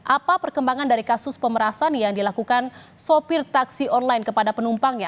apa perkembangan dari kasus pemerasan yang dilakukan sopir taksi online kepada penumpangnya